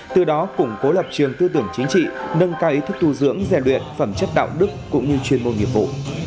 từ đó củng cố lập trường tư tưởng chính trị nâng cao ý thức tu dưỡng rèn luyện phẩm chất đạo đức cũng như chuyên môn nghiệp vụ